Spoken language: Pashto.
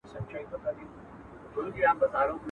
له څاڅکو څاڅکو څه درياب جوړېږي.